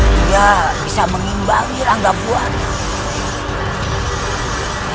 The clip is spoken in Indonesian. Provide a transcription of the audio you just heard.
dia bisa mengimbangi ranggap wakil